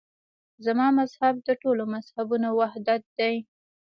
زما مذهب د ټولو مذهبونو وحدت دی.